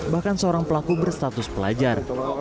bahkan seorang pelaku berstatus pelajar